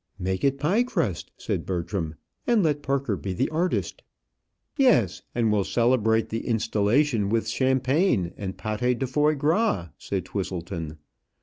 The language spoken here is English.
"Make it in pie crust," said Bertram, "and let Parker be the artist." "Yes; and we'll celebrate the installation with champagne and paté de foie gras," said Twisleton.